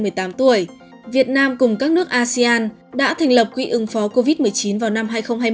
trong một mươi tám tuổi việt nam cùng các nước asean đã thành lập quỹ ứng phó covid một mươi chín vào năm hai nghìn hai mươi